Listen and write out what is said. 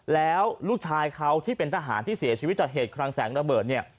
แล้วลูกชายเขาที่เป็นทหารที่เสียชีวิตจากเหตุคลังแสงระเบิดเนี่ย